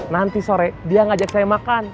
nanti sore dia ngajak saya makan